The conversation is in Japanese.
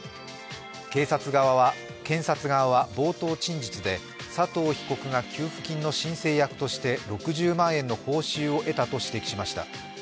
検察側は冒頭陳述で佐藤被告が給付金の申請役として６０万円の報酬を得たと指摘しました。